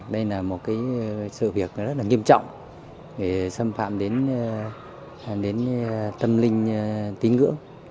đây là một sự việc rất là nghiêm trọng để xâm phạm đến tâm linh tín ngưỡng